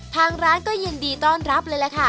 ทางร้านก็ยินดีต้อนรับเลยแหละค่ะ